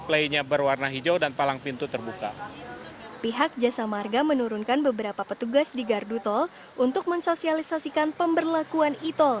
pembelian kartu uang elektronik dapat memperlakukan pemberlakuan e tol